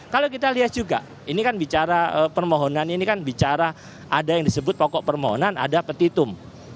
kalau kita lihat juga ini kan bicara permohonan ini kan bicara ada yang disebut pokok permohonan ada petitum